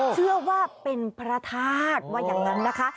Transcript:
เชื่อว่าเป็นพระธาตุว่าอย่างนั้นนะคะ